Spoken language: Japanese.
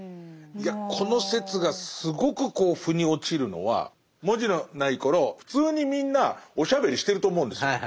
いやこの説がすごくこう腑に落ちるのは文字のない頃普通にみんなおしゃべりしてると思うんですよ。